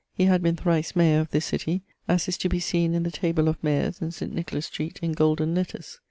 He had been thrice mayor of this city, as is to be seen in the table of mayors in St. Nicholas Street in golden letters.